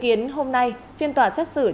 dự kiến hôm nay phiên tòa chất sức